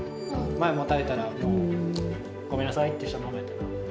前にもたれたら、もうごめんなさいってしたままやったな。